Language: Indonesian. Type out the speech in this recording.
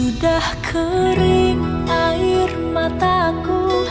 sudah kering air mataku